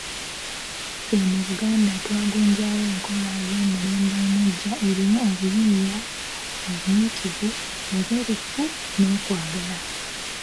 Ffe mu Buganda twagunjawo enkola ey'omulembe omuggya erimu obuyiiya, obunyiikivu, obwerufu, n'okwagala.